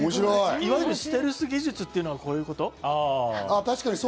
いわゆるステルス技術っていうのは、こういうこと？